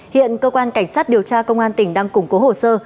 hiện cơ quan cảnh sát điều tra công an tỉnh đang củng cố hồ sơ